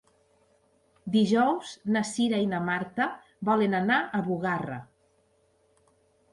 Dijous na Cira i na Marta volen anar a Bugarra.